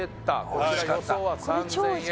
こちら予想は３０００円